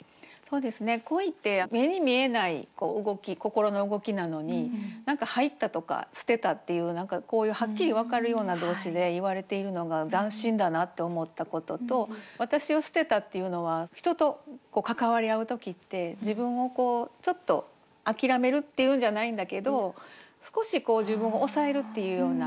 恋って目に見えない動き心の動きなのに入ったとか捨てたっていう何かこういうはっきり分かるような動詞で言われているのが斬新だなって思ったことと「私を捨てた」っていうのは人と関わり合う時って自分をこうちょっと諦めるっていうんじゃないんだけど少し自分を抑えるっていうような。